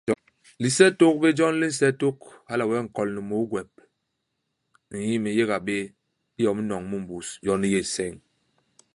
Lisetôk bé jon li nse tôk, hala wee nkol ni môô i gwep. Nn me n'yéga béé. Iyom i n'noñ mu i mbus yon i yé nseñ.